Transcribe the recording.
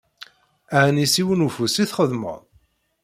Ɛni s yiwen ufus i txeddmeḍ?